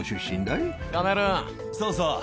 そうそう。